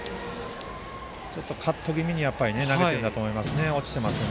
カット気味に投げているんだと思いますね。